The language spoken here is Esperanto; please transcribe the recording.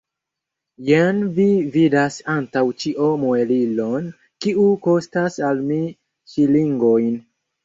Jen vi vidas antaŭ ĉio muelilon, kiu kostas al mi ŝilingojn.